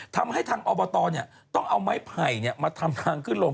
ทำให้ทางอบตต้องเอาไม้ไผ่มาทำทางขึ้นลง